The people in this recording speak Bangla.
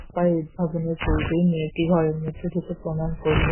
কোনো ভদ্র উপায় উদ্ভাবনের পূর্বেই মেয়েটি ঘরের মধ্যে ঢুকে প্রণাম করলে।